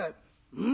「うん。